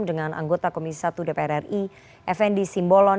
dengan anggota komisi satu dpr ri fnd simbolon